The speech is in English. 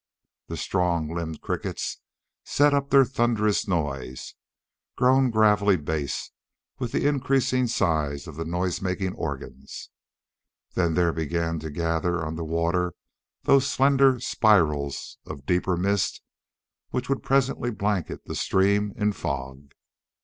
The strong limbed crickets set up their thunderous noise, grown gravely bass with the increasing size of the noise making organs. Then there began to gather on the water those slender spirals of deeper mist which would presently blanket the stream in fog.